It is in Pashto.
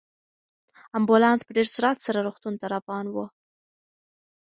امبولانس په ډېر سرعت سره روغتون ته روان و.